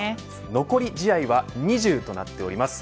残り試合は２０となっています。